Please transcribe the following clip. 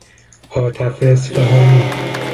هاتف اصفهانی